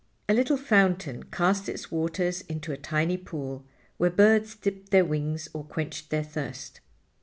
A little fountain cast its waters into a tiny pool, where birds dipped their wings or quenched their thirst.